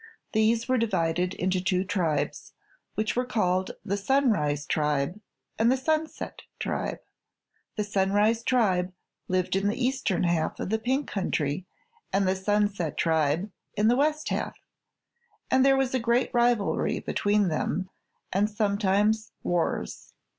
These were divided into two tribes, which were called the Sunrise Tribe and the Sunset Tribe. The Sunrise Tribe lived in the eastern half of the Pink Country and the Sunset Tribe in the west half, and there was great rivalry between them and, sometimes, wars.